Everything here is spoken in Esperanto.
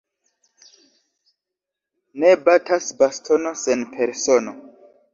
Ne batas bastono sen persono.